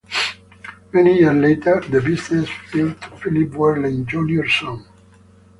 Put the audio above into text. Many years later, the business fell to Philip Werlein, Junior's son.